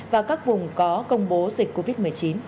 và các vùng có công bố dịch covid một mươi chín